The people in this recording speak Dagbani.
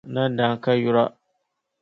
Nandana ka yura.